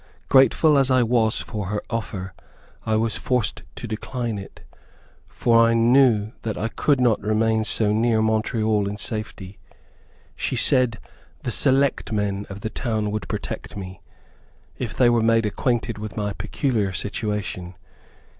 Grateful as I was for her offer, I was forced to decline it, for I knew that I could not remain so near Montreal in safety. She said the "select men" of the town would protect me, if they were made acquainted with my peculiar situation.